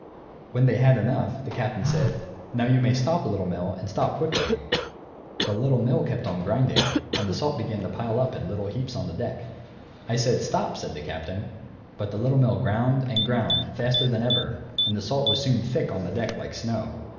When they had enough, the Captain said, "Now you may stop, Little Mill, and stop quickly." The Little Mill kept on grinding; and the salt began to pile up in little heaps on the deck. "I said, 'Stop,'" said the Captain. But the Little Mill ground, and ground, faster than ever, and the salt was soon thick on the deck like snow.